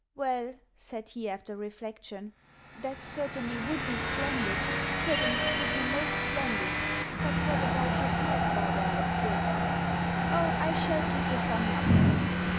"Well," said he after reflection, "that certainly would be splendid certainly it would be most splendid. But what about yourself, Barbara Alexievna?" "Oh, I shall give your son nothing."